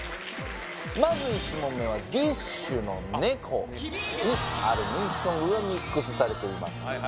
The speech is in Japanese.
まず１問目はＤＩＳＨ／／の「猫」にある人気ソングがミックスされています